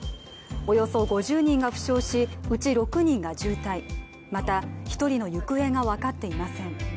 およそ５０人が負傷しうち６人が重体、また１人の行方が分かっていません。